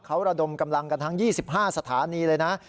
เขาระดมกำลังกันทั้ง๒๕สถานีเลยนะ